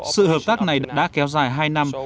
sự hợp tác này đã kéo dài hai năm